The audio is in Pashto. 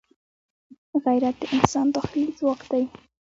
غیرت د انسان داخلي ځواک دی